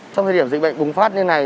trong thời điểm dịch bệnh bùng phát như này